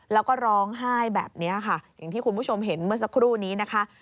แล้วก็ร้องไห้แบบนี้ค่ะอย่างที่คุณผู้ชมเห็นเมื่อสักครู่นี้นะคะ